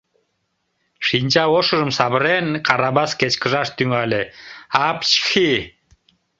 — шинча ошыжым савырен, Карабас кечкыжаш тӱҥале, — аап-чхи!..